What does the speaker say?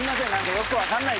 よく分かんない。